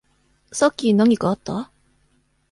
さっき何かあった？